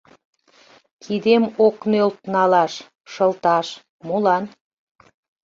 Кидем ок нӧлт налаш, шылташ, Молан?